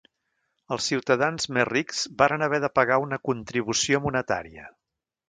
Els ciutadans més rics varen haver de pagar una contribució monetària.